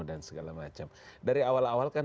dan segala macam dari awal awal kan